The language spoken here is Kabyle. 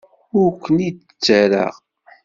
Ur ken-id-ttarraɣ.